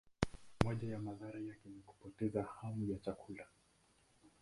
Moja ya madhara yake ni kupoteza hamu ya chakula.